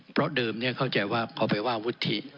เพราะเดิมเขาเข้าใจว่าพอเวียวว่าวุฒิ